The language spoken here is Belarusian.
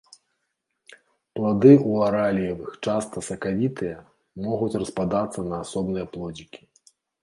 Плады ў араліевых часта сакавітыя, могуць распадацца на асобныя плодзікі.